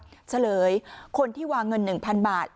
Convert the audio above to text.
ผมเฉลยคนที่วางเงิน๑๐๐๐บาท